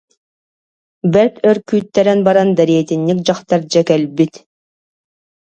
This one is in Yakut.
Бэрт өр күүттэрэн баран, дэриэтинньик дьахтар дьэ кэлбит